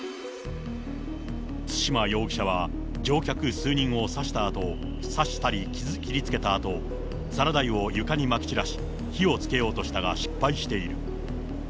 對馬容疑者は、乗客数人を刺したり切りつけたあと、サラダ油を床にまきちらし、火をつけようとしたが失敗している。